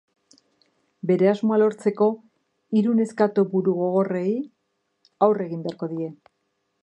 Bere asmoa lortzeko, hiru neskato burugogorrei aurre egin beharko die.